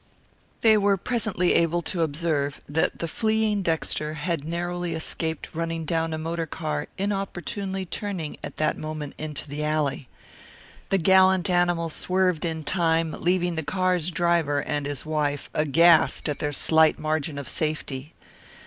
They were presently able to observe that the fleeing Dexter had narrowly escaped running down a motor car inopportunely turning at that moment into the alley. The gallant animal swerved in time, leaving the car's driver and his wife aghast at their slight margin of safety.